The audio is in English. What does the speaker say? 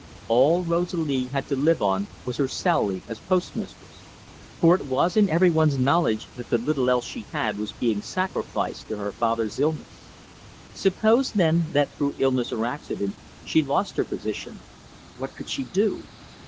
All Rosalie had to live on was her salary as postmistress, for it was in every one's knowledge that the little else she had was being sacrificed to her father's illness. Suppose, then, that through illness or accident she lost her position, what could she do?